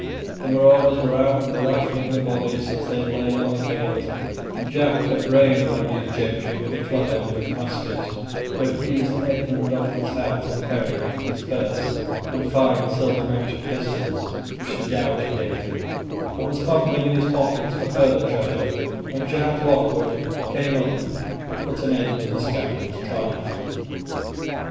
The marauders were out riffling the bodies as they lay on the field, and Jack had brained one of these gentry with the club end of his musket, who had eased Esmond of his hat and periwig, his purse, and fine silver mounted pistols which the Dowager gave him, and was fumbling in his pockets for further treasure, when Jack Lockwood came up and put an end to the scoundrel's triumph.